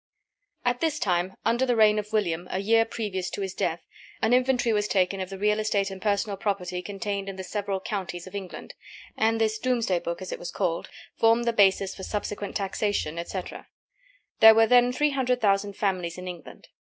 At this time, under the reign of William, a year previous to his death, an inventory was taken of the real estate and personal property contained in the several counties of England; and this "Domesday book," as it was called, formed the basis for subsequent taxation, etc. There were then three hundred thousand families in England.